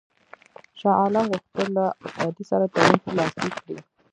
شاه عالم غوښتل له ابدالي سره تړون لاسلیک کړي.